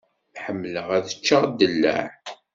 Ḥemmleɣ ad ččeɣ ddellaε.